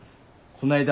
こないだ